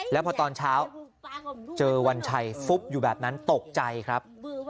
แล้วพอตอนเช้าเจอวันชัยฟุบอยู่แบบนั้นตกใจครับ